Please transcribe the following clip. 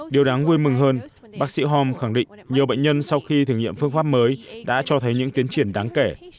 điều đáng vui mừng hơn bác sĩ hom khẳng định nhiều bệnh nhân sau khi thử nghiệm phương pháp mới đã cho thấy những tiến triển đáng kể